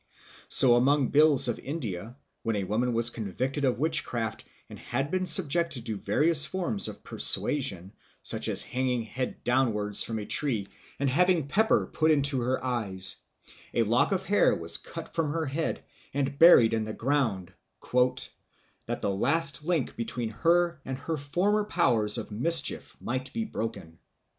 So among the Bhils of India, when a woman was convicted of witchcraft and had been subjected to various forms of persuasion, such as hanging head downwards from a tree and having pepper put into her eyes, a lock of hair was cut from her head and buried in the ground, "that the last link between her and her former powers of mischief might be broken."